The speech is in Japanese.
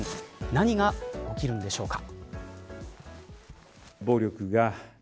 何が起きるんでしょうか。